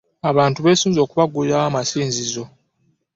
Abantu beesunze okubaggulilawo amasinzi zo.